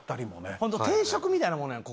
本当定食みたいなものなんよ